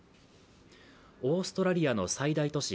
オーストラリアの最大都市